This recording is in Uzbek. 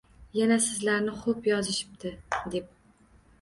“Yana sizlarni xoʻb yozishibdi…” – deb.